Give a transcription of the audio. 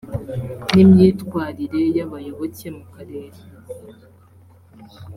n imyitwarire y abayoboke mu karere